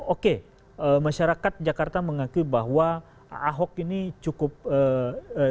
oke masyarakat jakarta mengakui bahwa ahok ini cukup ee